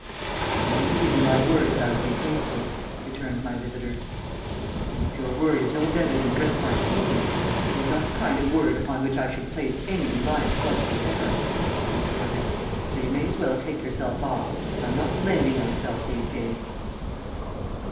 "'I can only give you my word that I will be faithful,' returned my visitor. "'Well, if your word is no better than reparteedious, it is not the kind of word upon which I should place any reliance whatsoever,' I retorted; 'so you may as well take yourself off; I am not lending myself these days.'"